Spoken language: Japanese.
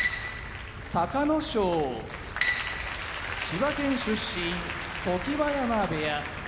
隆の勝千葉県出身常盤山部屋